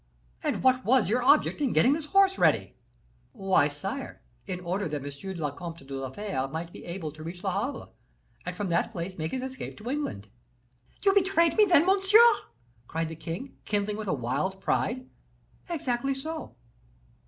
"And what was your object in getting this horse ready?" "Why, sire, in order that M. le Comte de la Fere might be able to reach Le Havre, and from that place make his escape to England." "You betrayed me, then, monsieur?" cried the king, kindling with a wild pride. "Exactly so."